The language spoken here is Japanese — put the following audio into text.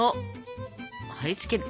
貼り付ける。